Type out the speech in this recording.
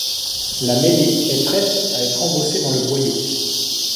La mêlée est prête à être embossée dans le boyau.